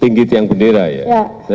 tinggi tiang bendera ya